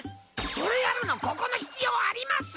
それやるのここの必要あります！？